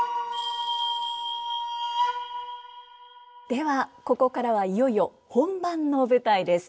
ではここからはいよいよ本番の舞台です。